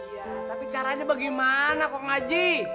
ya tapi caranya bagaimana kok ngaji